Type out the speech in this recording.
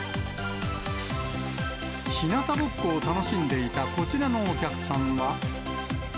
ひなたぼっこを楽しんでいたこちらのお客さんは。